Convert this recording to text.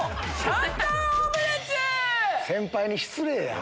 先輩に失礼や。